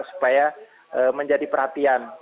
supaya menjadi perhatian